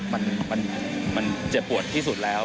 มันเจ็บปวดที่สุดแล้ว